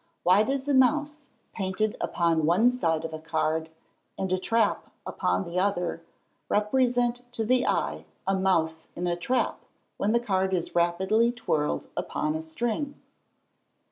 _Why does a mouse, painted upon one side of a card, and a trap upon the other, represent to the eye a mouse in a trap when the card is rapidly twirled upon a string?